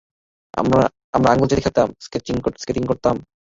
আমরা আঙ্গুল চেটে খেতাম, স্কেটিং করতাম?